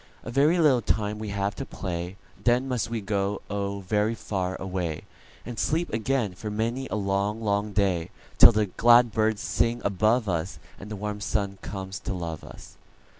"A very little time we have to play, Then must we go, oh, very far away, And sleep again for many a long, long day, Till the glad birds sing above us, And the warm sun comes to love us.